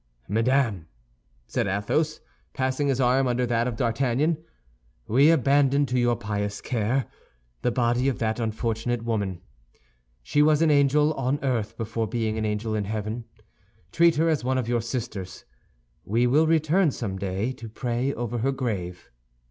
"Madame," said Athos, passing his arm under that of D'Artagnan, "we abandon to your pious care the body of that unfortunate woman. She was an angel on earth before being an angel in heaven. Treat her as one of your sisters. We will return someday to pray over her grave."